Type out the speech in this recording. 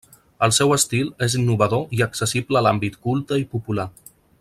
El seu estil és innovador i accessible a l'àmbit culte i popular.